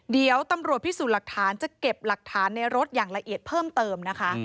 เดี๋ยวตำรวจพิสูจน์หลักฐานจะเก็บหลักฐานในรถอย่างละเอียดเพิ่มเติมนะคะ